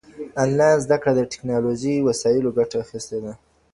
انلاين زده کړه د ټکنالوژۍ وسايلو ګټه اخيستې ده.